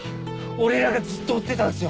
俺らがずっと追ってたんすよ